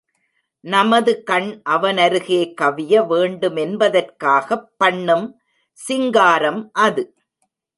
நமது கண் அவனருகே கவிய வேண்டுமென்பதற்காகப் பண்ணும் சிங்காரம் அது.